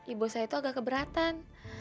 ibu saya itu agak keberatan